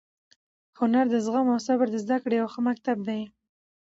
هنر د زغم او صبر د زده کړې یو ښه مکتب دی.